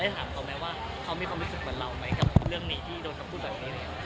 ถามเขาไหมว่าเขามีความรู้สึกเหมือนเราไหมกับเรื่องนี้ที่โดนคำพูดแบบนี้